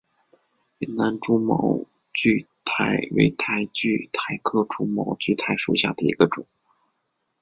云南蛛毛苣苔为苦苣苔科蛛毛苣苔属下的一个种。